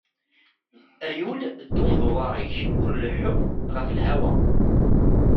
A yul ddu d uḍaṛ-ik, ur leḥḥu ɣef lhawa!